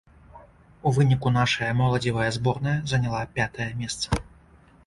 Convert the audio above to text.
У выніку нашая моладзевая зборная заняла пятае месца.